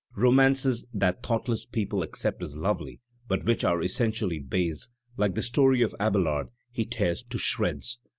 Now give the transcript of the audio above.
Romances that thoughtless people accept as lovely but which are essentially base, like the story of Abelard, he tears to shreds.